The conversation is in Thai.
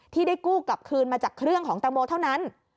ที่ได้กู้กลับคืนมาจากเครื่องของแตงโมเท่านั้น